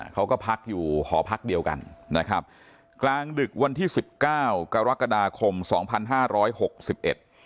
เขาก็พักอยู่หอพักเดียวกันนะครับกลางดึกวันที่สิบเก้ากรกฎาคมสองพันห้าร้อยหกสิบเอ็ด